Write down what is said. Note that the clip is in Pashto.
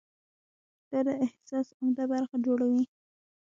دا د احساس عمده برخه جوړوي.